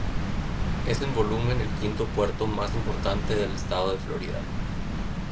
Es en volumen el quinto puerto más importante del estado de Florida.